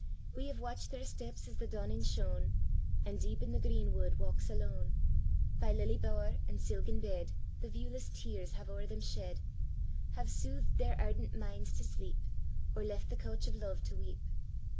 We have watch'd their steps as the dawning shone, And deep in the green wood walks alone; By lily bower and silken bed, The viewless tears have o'er them shed; Have soothed their ardent minds to sleep, Or left the couch of love to weep.